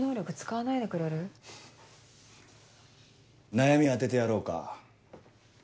悩み当ててやろうか？